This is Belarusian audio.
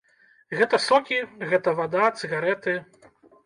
Гэта сокі, гэта вада, цыгарэты.